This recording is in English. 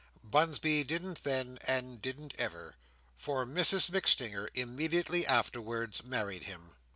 Bunsby didn't then, and didn't ever; for Mrs MacStinger immediately afterwards married him.